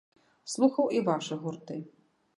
Слухаў і вашы гурты.